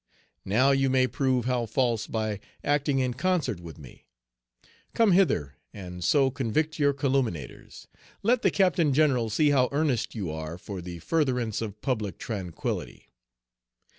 Now you may prove how false by acting in concert with me. Come hither, and so convict your calumniators; let the Captain General see how earnest you are for the furtherance of public tranquillity."